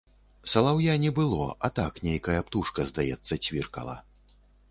Салаўя не было, а так нейкая птушка, здаецца, цвіркала.